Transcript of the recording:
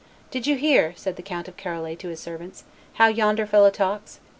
"Did you hear," said the Count of Charolais to his servants, "how yonder fellow talks?